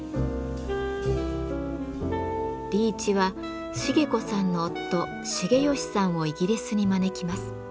リーチは茂子さんの夫・茂良さんをイギリスに招きます。